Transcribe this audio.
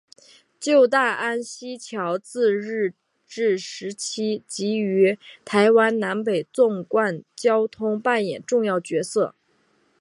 旧大安溪桥自日治时期即于台湾南北纵贯交通扮演重要角色。